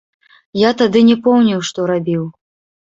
Я тады не помніў, што рабіў.